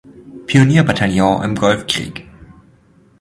Pionier-Bataillon im Golfkrieg.